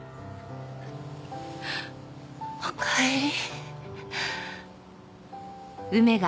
おかえり。